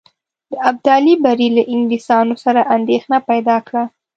د ابدالي بری له انګلیسیانو سره اندېښنه پیدا کړه.